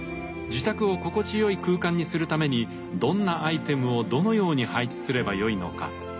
自宅を心地よい空間にするためにどんなアイテムをどのように配置すればよいのか。